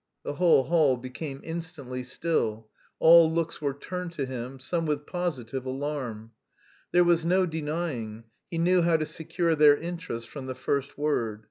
'" The whole hall became instantly still, all looks were turned to him, some with positive alarm. There was no denying, he knew how to secure their interest from the first word.